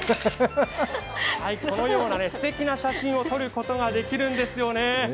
このようなすてきな写真を撮ることができるんですよね。